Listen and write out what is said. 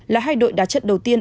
là hai đội đá chất đầu tiên